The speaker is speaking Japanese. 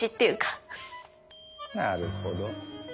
なるほど。